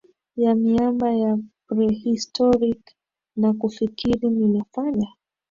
ya miamba ya prehistoric na kufikiri ninafanya